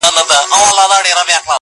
له دوزخه د جنت مهمان را ووت ،